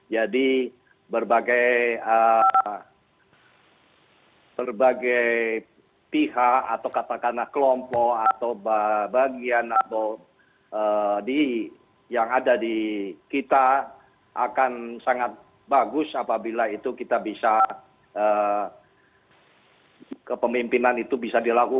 jadi berbagai pihak atau katakanlah kelompok atau bagian yang ada di kita akan sangat bagus apabila itu kita bisa kepemimpinan itu bisa dilakukan